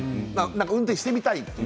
運転してみたいと。